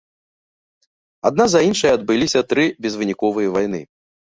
Адна за іншай адбыліся тры безвыніковыя вайны.